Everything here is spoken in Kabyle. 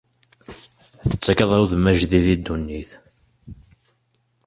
Tettakeḍ udem ajdid i ddunit.